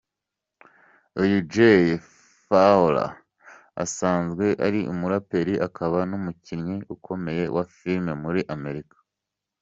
Uyu Jay Pharoah asanzwe ari umuraperi akaba n’umukinnyi ukomeye wa film muri Amerika.